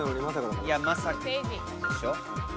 いやまさかでしょ？